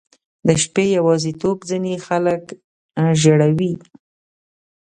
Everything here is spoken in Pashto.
• د شپې یواځیتوب ځینې خلک ژړوي.